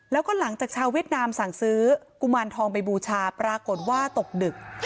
แล้วก็หลังจากชาวเวียดนามสั่งซื้อกุมารทองไปบูชาปรากฏว่าตกดึก